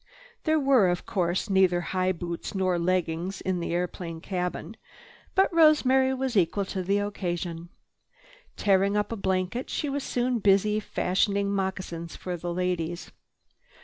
There were, of course, neither high boots nor leggings in the airplane cabin, but Rosemary was equal to the occasion. Tearing up a blanket, she was soon busy fashioning moccasins for the ladies.